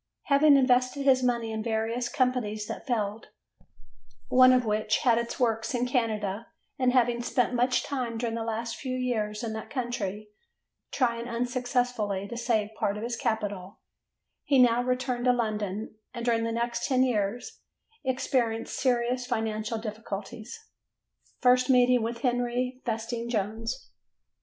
Having invested his money in various companies that failed, one of which had its works in Canada, and having spent much time during the last few years in that country, trying unsuccessfully to save part of his capital, he now returned to London, and during the next ten years experienced serious financial difficulties. First meeting with Henry Festing Jones.